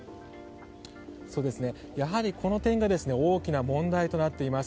やはり、この点が大きな問題となっています。